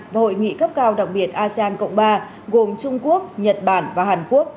và hội nghị cấp cao đặc biệt asean cộng ba gồm trung quốc nhật bản và hàn quốc